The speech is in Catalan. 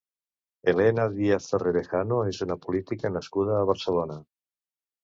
Elena Díaz Torrevejano és una política nascuda a Barcelona.